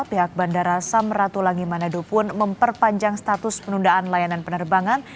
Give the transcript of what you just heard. pihak bandara samratulangi manado pun memperpanjang status penundaan layanan penerbangan